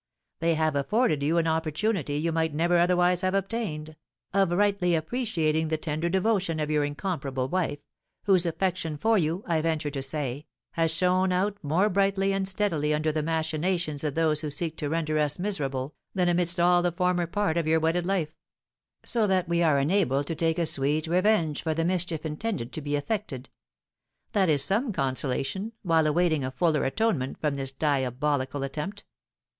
They have afforded you an opportunity you might never otherwise have obtained, of rightly appreciating the tender devotion of your incomparable wife, whose affection for you, I venture to say, has shone out more brightly and steadily under the machinations of those who seek to render us miserable, than amidst all the former part of your wedded life; so that we are enabled to take a sweet revenge for the mischief intended to be effected: that is some consolation, while awaiting a fuller atonement for this diabolical attempt.